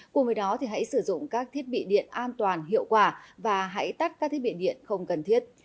cùng với đó hãy sử dụng các thiết bị điện an toàn hiệu quả và hãy tắt các thiết bị điện không cần thiết